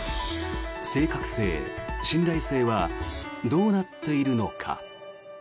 正確性・信頼性はどうなっているのか。